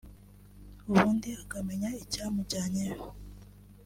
ubundi akamenya icyamujyanyeyo